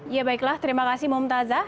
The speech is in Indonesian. ya baiklah terima kasih mumtazah